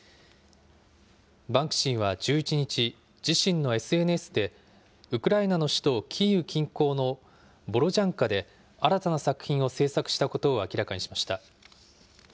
バンクシーは１１日、自身のＳＮＳで、ウクライナの首都キーウ近郊のボロジャンカで、新たな作品を制作したことを明らかにしました。